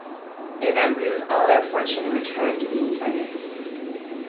They then lose all their fortune and return to being beggars.